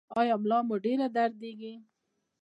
ایا ملا مو ډیره دردیږي؟